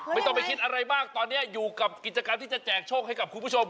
ไม่ต้องไปคิดอะไรมากตอนนี้อยู่กับกิจกรรมที่จะแจกโชคให้กับคุณผู้ชม